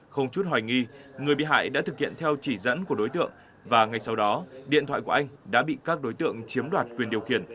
không chút hoài nghi người bị hại đã thực hiện theo chỉ dẫn của đối tượng và ngay sau đó điện thoại của anh đã bị các đối tượng chiếm đoạt quyền điều khiển